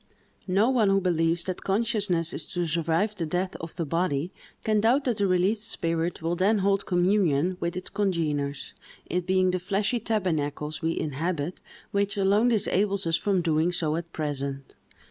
No one who believes that consciousness is to survive the death of the body, can doubt that the released spirit will then hold communion with its congeners; it being the fleshly tabernacles we inhabit which alone disables us from doing so at present.